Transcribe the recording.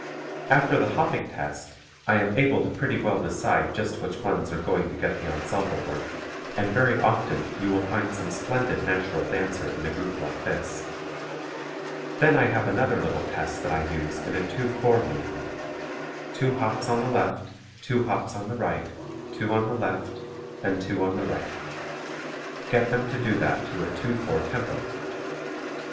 After the hopping test I am able to pretty well decide just which ones are going to get the ensemble work and very often you will find some splendid natural dancer in a group like this. Then I have another little test that I use in a 2 4 movement. Two hops on the left, two hops on the right, two on the left and two on the right. Get them to do that to a 2 4 tempo.